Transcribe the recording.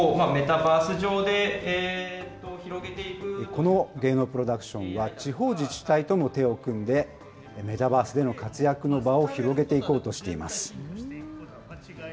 この芸能プロダクションは、地方自治体とも手を組んで、メタバースでの活躍の場を広げていこうとしています。